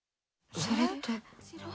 それって。